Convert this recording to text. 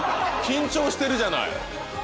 緊張してるじゃない。